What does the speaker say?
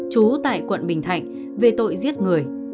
chú tại quận bình thạnh về tội giết người